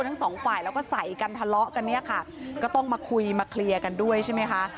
ทั้งสองฝ่ายแล้วก็ใส่กันทะเลาะกันเนี่ยค่ะก็ต้องมาคุยมาเคลียร์กันด้วยใช่ไหมคะ